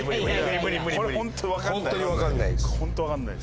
これホント分かんない。